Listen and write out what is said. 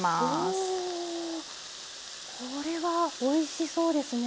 これはおいしそうですね。